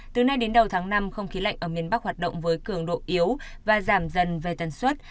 từ nay đến đầu tháng năm không khí lạnh ở miền bắc hoạt động với cường độ yếu và giảm dần về tần suất